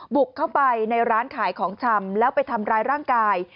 บุกเข้าไปในร้านขายของชำแล้วไปทำร้ายร่างกาย